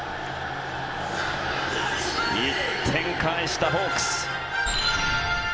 １点返した、ホークス。